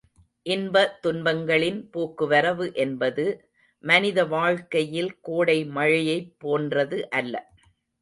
இன்ப துன்பங்களின் போக்குவரவு என்பது, மனித வாழ்க்கையில் கோடை மழையைப் போன்றது அல்ல.